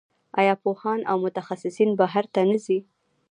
آیا پوهان او متخصصین بهر ته نه ځي؟